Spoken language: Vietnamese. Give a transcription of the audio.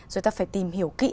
rồi ta phải tìm hiểu kỹ